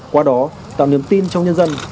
qua đó tạo niềm tin trong nhân dân